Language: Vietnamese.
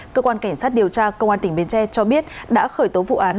cơ quan cảnh sát điều tra công an tỉnh bến tre cho biết đã khởi tố vụ án